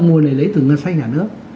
nguồn này lấy từ ngân sách nhà nước